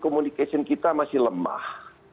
komunikasi kita masih lemah